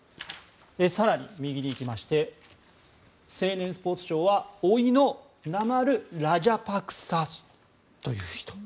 更に、右に行きまして青年・スポーツ相はおいのナマル・ラジャパクサという人。